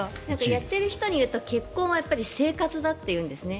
やっている人が言うと結婚は生活だというんですね。